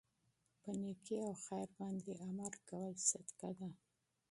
په نيکي او خیر باندي امر کول صدقه ده